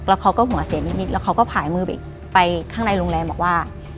แล้วเขาก็หัวเสียนิดแล้วเขาก็ผ่ายมือไปข้างในโรงแรมบอกว่า